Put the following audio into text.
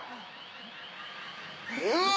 うわ！